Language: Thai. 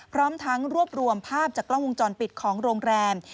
พร้อมทั้งรวบรวมภาพจากกล้องวงจรปิดของโรงแรม